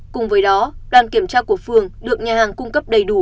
cùng với đó đoàn kiểm tra của phường được nhà hàng cung cấp đầy đủ